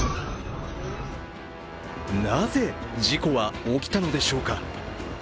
なぜ事故は起きたのでしょうか。